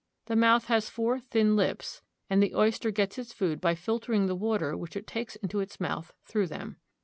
The mouth has four thin lips, and the oyster gets its food by filtering the water which it takes into its mouth through them.